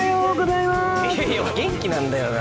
いやいや元気なんだよな